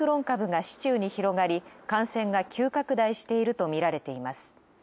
株が市中に広がり感染が急拡大しているとみられています。